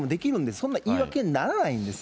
そんな言い訳にならないんですよ。